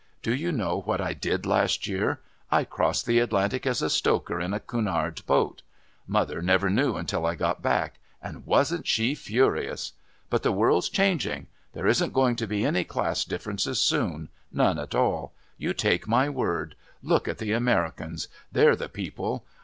Do you know what I did last year? I crossed the Atlantic as a stoker in a Cunard boat. Mother never knew until I got back, and wasn't she furious! But the world's changing. There isn't going to be any class difference soon none at all. You take my word. Look at the Americans! They're the people!